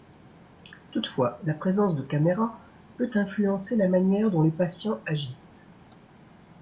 Toutefois, la présence de caméras peut influencer la manière dont les patients agissent.